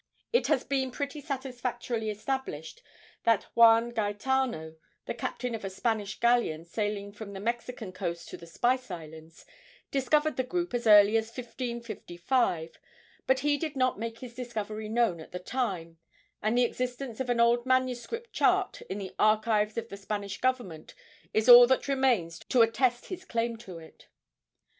It has been pretty satisfactorily established that Juan Gaetano, the captain of a Spanish galleon sailing from the Mexican coast to the Spice Islands, discovered the group as early as 1555. But he did not make his discovery known at the time, and the existence of an old manuscript chart in the archives of the Spanish government is all that remains to attest his claim to it.